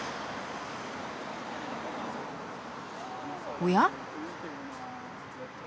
おや？